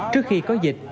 trước khi có dịch